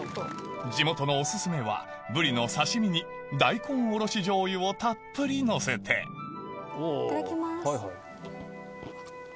地元のオススメはブリの刺し身に大根おろしじょうゆをたっぷりのせていただきます。